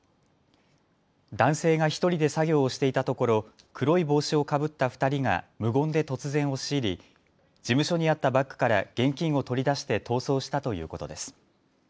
男性が１人で作業をしていたところ黒い帽子をかぶった２人が無言で突然押し入り事務所にあったバッグから現金を取り出して逃走したということです。